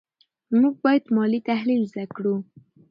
موږ باید مالي تحلیل زده کړو.